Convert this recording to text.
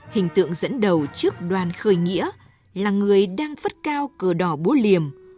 hình tượng dẫn đầu trước đoàn khởi nghĩa là người đang phất cao cờ đỏ búa liềm